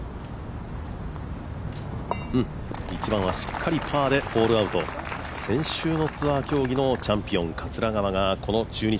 １番はしっかりパーでホールアウト先週のツアー競技のチャンピオン・桂川がこの中日